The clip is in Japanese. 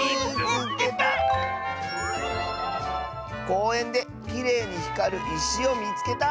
「こうえんできれいにひかるいしをみつけた！」。